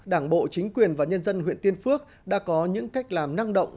đảng bộ chính quyền và nhân dân huyện tiên phước đã có những cách làm năng động